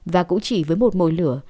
và cũng chỉ với một mồi lửa